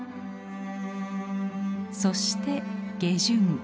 そして下旬。